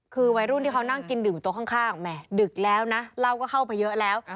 คือวัยรุ่นที่เขานั่งกินดื่มโต๊ะข้างแห่ดึกแล้วนะเหล้าก็เข้าไปเยอะแล้ว